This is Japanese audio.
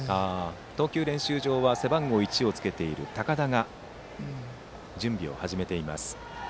投球練習場では背番号１の高田が準備を始めています。